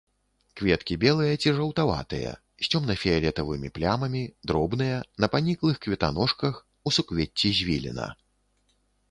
Кветкі белыя ці жаўтаватыя, з цёмна-фіялетавымі плямамі, дробныя, на паніклых кветаножках, у суквецці звіліна.